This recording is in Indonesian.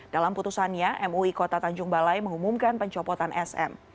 dalam putusannya mui kota tanjung balai mengumumkan pencopotan sm